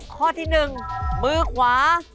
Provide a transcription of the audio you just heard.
ข้อที่หนึ่งมือขวา